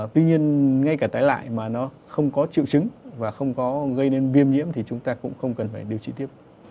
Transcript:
tuy nhiên ngay cả tái lại mà nó không có triệu chứng và không có gây nên viêm nhiễm thì chúng ta cũng không cần phải điều trị tiếp